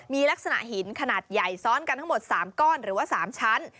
มีลักษณะหินขนาดใหญ่ซ้อนกันทั้งหมด๓ก้อนหรือว่า๓ชั้น